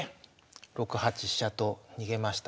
６八飛車と逃げました。